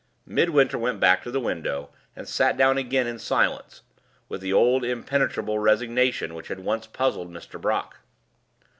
Midwinter went back to the window, and sat down again in silence, with the old impenetrable resignation which had once puzzled Mr. Brock.